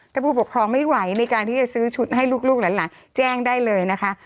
ถ้าผู้ปกครองไม่ไหวในการที่จะซื้อชุดให้ลูกหลานแจ้งได้เลยนะคะ